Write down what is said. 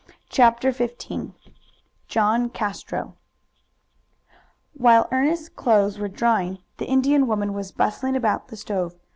CHAPTER XV JOHN CASTRO While Ernest's clothes were drying the Indian woman was bustling about the stove.